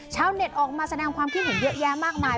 เน็ตออกมาแสดงความคิดเห็นเยอะแยะมากมาย